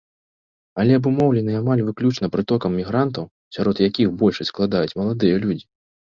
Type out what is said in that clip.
Але абумоўлены амаль выключна прытокам мігрантаў, сярод якіх большасць складаюць маладыя людзі.